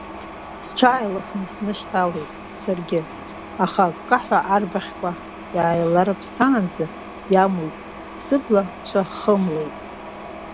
Сҽааилыхны снышьҭалеит саргьы, аха аккаҳәа арбаӷьқуа иааиларԥсаанӡа иамуит, сыбла цәа хымлеит.